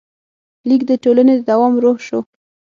لیک د ټولنې د دوام روح شو.